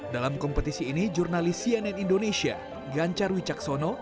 dalam kompetisi ini jurnalis cnn indonesia gancar wicaksono